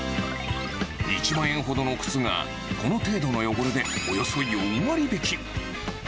１万円ほどの靴が、この程度の汚れで、およそ４割引き。